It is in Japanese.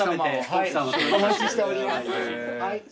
奥さまもお待ちしております。